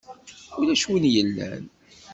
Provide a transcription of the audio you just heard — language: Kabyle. Ulac win yellan.